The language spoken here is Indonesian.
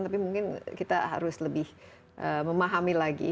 tapi mungkin kita harus lebih memahami lagi